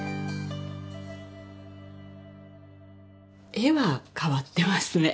絵は変わってますね。